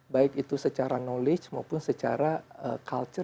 baik itu secara knowledge maupun secara culture itu harus totally berubah